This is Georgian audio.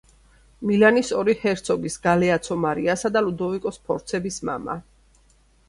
მილანის ორი ჰერცოგის: გალეაცო მარიასა და ლუდოვიკო სფორცების მამა.